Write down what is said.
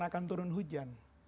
akan turun hujan